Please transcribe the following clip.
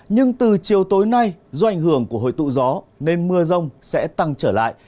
nhưng từ chiều tối nay do ảnh hưởng của hồi tụ gió nên mưa rông sẽ tăng trở lại